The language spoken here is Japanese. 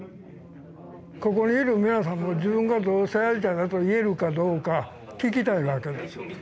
ここにいる皆さんも自分が同性愛者だといえるかどうか聞きたいわけです